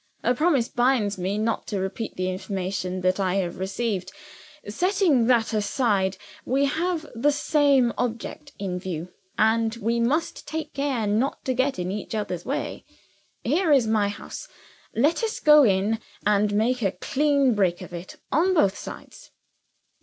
"A promise binds me not to repeat the information that I have received. Setting that aside, we have the same object in view and we must take care not to get in each other's way. Here is my house. Let us go in, and make a clean breast of it on both sides."